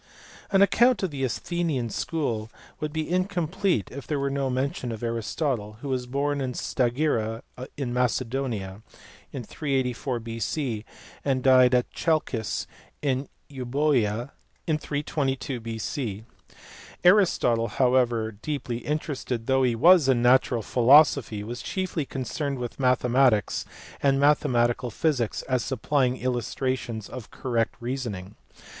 An account of the Athenian school would be B. 50 THE SCHOOLS OF ATHENS AND CYZICUS. incomplete if there were no mention of Aristotle, who was born at Stagira in Macedonia in 384 B.C. and died at Chalcis in Euboea in 322 B.C. Aristotle however, deeply interested though he was in natural philosophy, was chiefly concerned with mathematics and mathematical physics as supplying illus trations of correct reasoning.